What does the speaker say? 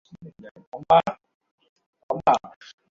বজ্রাহত গাছ প্রফুল্ল উপবনের মধ্যে স্থান পাইবার আশা কেন করিবে?